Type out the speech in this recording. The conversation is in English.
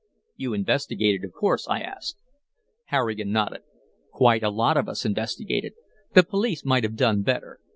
"You investigated, of course?" I asked. Harrigan nodded. "Quite a lot of us investigated. The police might have done better.